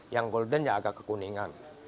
yang golden agak kekuningan